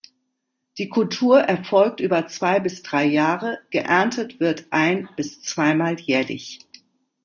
Die Kultur erfolgt über zwei bis drei Jahre, geerntet wird ein bis zweimal jährlich.